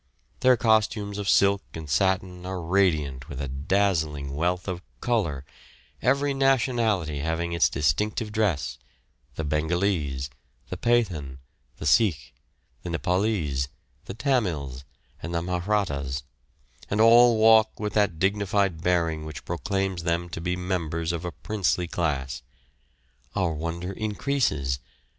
Their costumes of silk and satin are radiant with a dazzling wealth of colour, every nationality having its distinctive dress, the Bengalese, the Pathan, the Sikh, the Nepaulese, the Tamils, and the Mahrattas, and all walk with that dignified bearing which proclaims them to be members of a princely class. Our wonder increases.